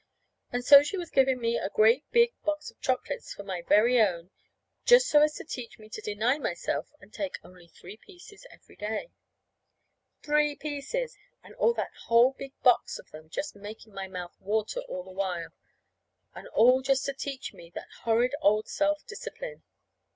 And so she was giving me a great big box of chocolates for my very own, just so as to teach me to deny myself and take only three pieces every day. Three pieces! and all that whole big box of them just making my mouth water all the while; and all just to teach me that horrid old self discipline!